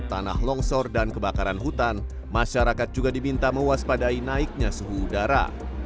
tanah longsor dan kebakaran hutan masyarakat juga diminta mewaspadai naiknya suhu udara